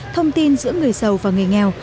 thông tin giữa người giàu và người nghèo